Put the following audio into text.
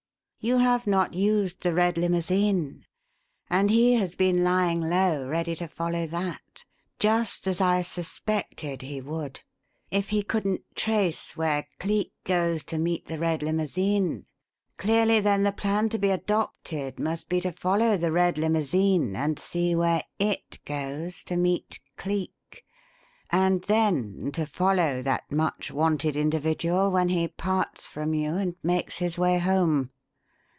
"You have not used the red limousine, and he has been lying low ready to follow that, just as I suspected he would. If he couldn't trace where Cleek goes to meet the red limousine, clearly then the plan to be adopted must be to follow the red limousine and see where it goes to meet Cleek, and then to follow that much wanted individual when he parts from you and makes his way home.